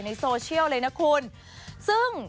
ในโซเชียลเลยนะคุณซึ่ง